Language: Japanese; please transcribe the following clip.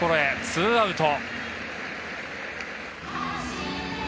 ツーアウト。